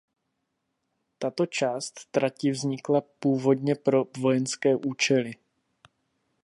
Tato část trati vznikla původně pro vojenské účely.